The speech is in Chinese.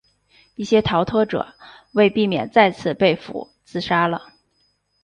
一些逃脱者为避免再次被俘自杀了。